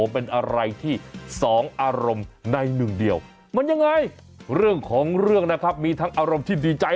เป็นยังไงเรื่องของเรื่องนะครับมีทางอารมณ์ที่ดีใจ